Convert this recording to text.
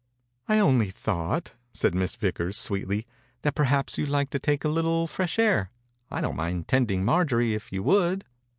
'* «I only thought," said Miss Vickers, sweetly, "that perhaps you'd like to take a little fresh air. I don't mind tending Mar jorie, if you would."